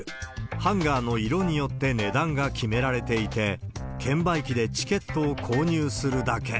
ハンガーの色によって値段が決められていて、券売機でチケットを購入するだけ。